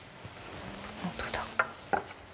本当だ。